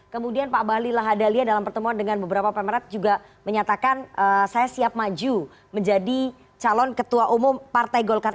kemudian pak bahli lahadalia dalam pertemuan dengan beberapa pemerhat juga menyatakan saya siap maju menjadi calon ketua umum partai golkar